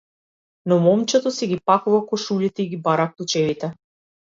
Но момчето си ги пакува кошулите и ги бара клучевите.